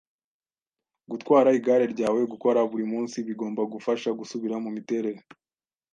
Gutwara igare ryawe gukora buri munsi bigomba kugufasha gusubira mumiterere.